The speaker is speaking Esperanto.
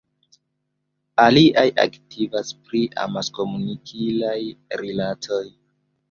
Aliaj aktivas pri amaskomunikilaj rilatoj.